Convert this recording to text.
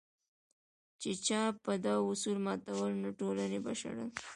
چې چا به دا اصول ماتول نو ټولنې به شړل.